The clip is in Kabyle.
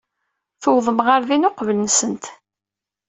Tuwḍem ɣer din uqbel-nsent.